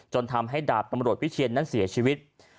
ทำให้ดาบตำรวจวิเชียนนั้นเสียชีวิต